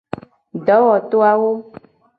Dowoto awo.